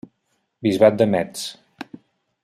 Bisbat de Metz.